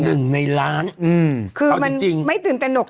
มัน๑ในล้านเออเอาจริงคือมันไม่ตื่นตระหนก